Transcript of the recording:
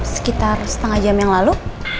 sekitar setengah jam yang lalu